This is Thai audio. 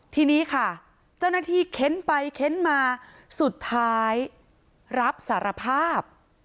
ทีนี้ค่ะเจ้าหน้าที่เค้นไปเค้นมาสุดท้ายรับสารภาพ